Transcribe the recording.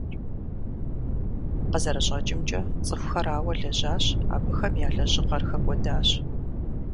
КъызэрыщӀэкӀымкӀэ, цӀыхухэр ауэ лэжьащ, абыхэм я лэжьыгъэр хэкӀуэдащ.